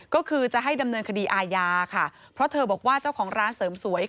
ก็คือจะให้ดำเนินคดีอาญาค่ะเพราะเธอบอกว่าเจ้าของร้านเสริมสวย